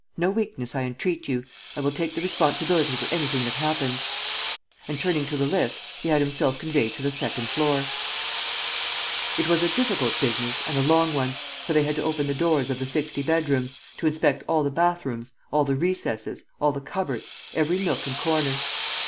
No weakness, I entreat you. I will take the responsibility for anything that happens." And, turning to the lift, he had himself conveyed to the second floor. It was a difficult business and a long one, for they had to open the doors of the sixty bedrooms, to inspect all the bathrooms, all the recesses, all the cupboards, every nook and corner.